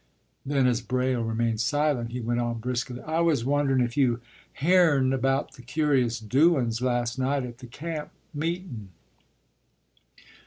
Then, as Braile remained silent, he went on briskly, “I was wonderin' if you hearn about the curious doun's last night at the camp meetun'.